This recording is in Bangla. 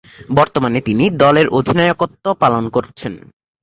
বর্তমানে তিনি দলের অধিনায়কত্ব পালন করছেন।